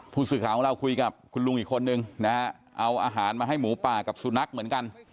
ผู้สื่อข่าวของเราคุยกับคุณลุงอีกคนนึงนะฮะเอาอาหารมาให้หมูป่ากับสุนัขเหมือนกัน